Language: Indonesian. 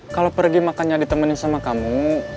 kalau pergi makannya ditemenin sama kamu